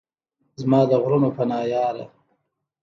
زما د غرونو پناه یاره!